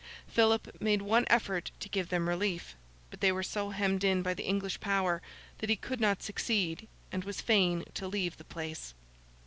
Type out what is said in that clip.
Philip made one effort to give them relief; but they were so hemmed in by the English power, that he could not succeed, and was fain to leave the place.